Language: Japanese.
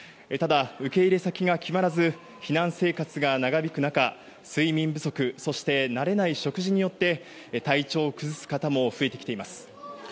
ただ、受け入れ先が決まらず避難生活が長引く中睡眠不足、慣れない食事によって体調を崩す方も増えてきています。